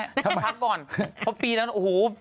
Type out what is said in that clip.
พักก่อนเพราะปีนั้นโอ้โห